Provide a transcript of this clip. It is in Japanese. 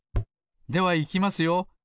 ではいきますよ。